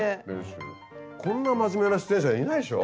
こんな真面目な出演者いないっしょ。